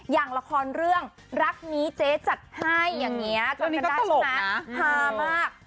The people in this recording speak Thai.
อย่างละครเรื่องรักนี้เจ๊จัดให้อย่างนี้จนกระทั่งฮามาก